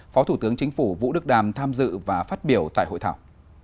phó thủ tướng chính phủ vũ đức đam tham dự và phát biểu tại hội thảo